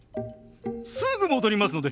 すぐ戻りますので。